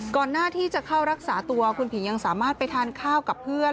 ก่อนหน้าที่จะเข้ารักษาตัวคุณผียังสามารถไปทานข้าวกับเพื่อน